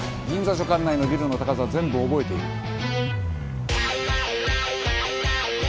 銀座署管内のビルの高さは全部覚えている。